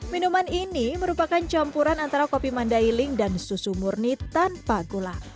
minuman ini merupakan campuran antara kopi mandailing dan susu murni tanpa gula